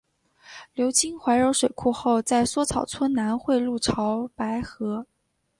流经怀柔水库后在梭草村南汇入潮白河。